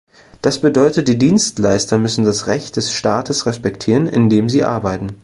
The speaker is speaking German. Das bedeutet, die Dienstleister müssen das Recht des Staates respektieren, in dem sie arbeiten.